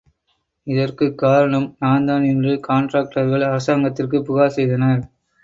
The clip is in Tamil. இதற்குக் காரணம் நான்தான் என்று காண்டராக்டர்கள் அரசாங்கத்திற்குப் புகார்செய்தனர்.